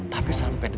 tapi sampai detik ini